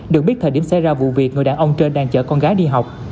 được biết thời điểm xảy ra vụ việc người đàn ông trên đang chở con gái đi học